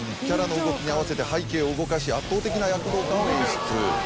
キャラの動きに合わせて背景を動かし圧倒的な躍動感を演出。